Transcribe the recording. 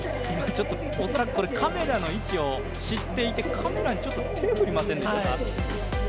今、ちょっと、恐らくカメラの位置を知っていて、カメラにちょっと手を振りません